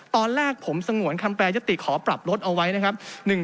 ตอนแรกผมสงวนคำแปรยติขอปรับลดเอาไว้นะครับ